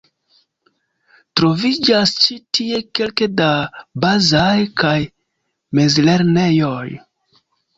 Troviĝas ĉi tie kelke da bazaj kaj mezlernejoj.